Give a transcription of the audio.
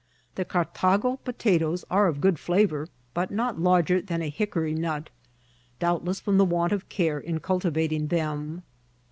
The Cartago potatoes are of good flavour, but not larger than a hick ory nut, doubtless frcnn the want of care in cultiyatiog them.